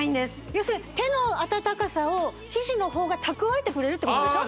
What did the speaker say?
要するに手の温かさを生地のほうが蓄えてくれるってことでしょ？